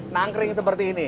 nangkring seperti ini